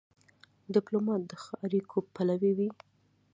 ډيپلومات د ښو اړیکو پلوی وي.